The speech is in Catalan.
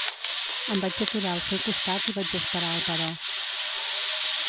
Em vaig aturar al seu costat i vaig esperar el però.